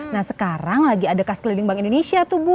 nah sekarang lagi ada kas keliling bank indonesia tuh bu